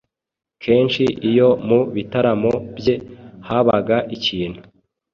Kenshi iyo mu bitaramo bye habaga ikintu